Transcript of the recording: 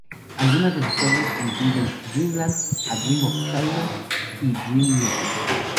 Algunas de sus obras incluyen Dreamland, A Dream of China y Dream Music.